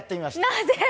なぜ？